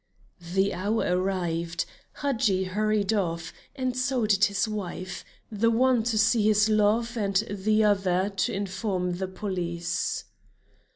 The hour arrived, Hadji hurried off, and so did his wife; the one to see his love, and the other to inform the police.